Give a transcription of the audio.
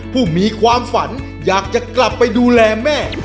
ผู้มีความฝันอยากจะกลับไปดูแลแม่